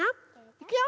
いくよ！